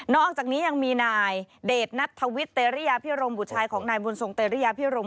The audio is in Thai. นอกจากนี้ยังมีนายเดทนัตถวิทธิ์เต้รุยาพิรมบุตรชายของนายมัวไพล์สงติริยาพิโรม